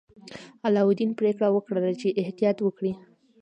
علاوالدین پریکړه وکړه چې احتیاط وکړي.